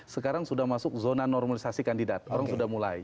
sekarang sudah masuk zona normalisasi kandidat orang sudah mulai